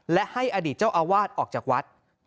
และให้อดีตเจ้าอาวาสออกจากวัด